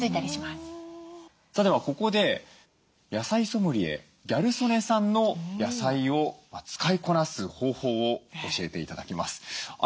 さあではここで野菜ソムリエギャル曽根さんの野菜を使いこなす方法を教えて頂きます。